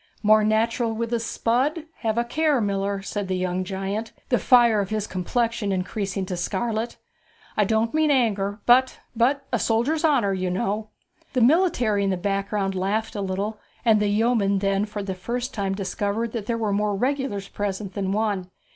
'More natural with a spud! have a care, miller,' said the young giant, the fire of his complexion increasing to scarlet. 'I don't mean anger, but but a soldier's honour, you know!' The military in the background laughed a little, and the yeoman then for the first time discovered that there were more regulars present than one.